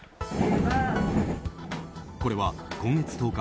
これは今月１０日